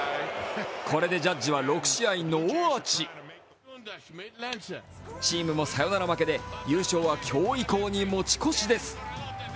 これでジャッジは６試合ノーアーチチームもサヨナラ負けで優勝は今日以降に持ち越しです。